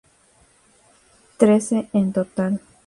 Trece en total.